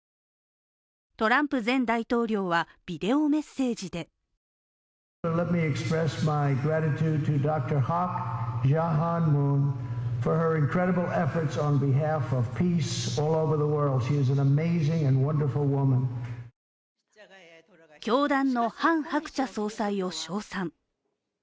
トランプ前大統領は、ビデオメッセージで教団のハン・ハクチャ総裁を称賛。